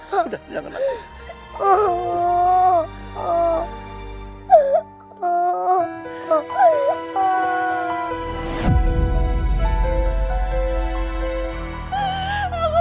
sudah jangan lagi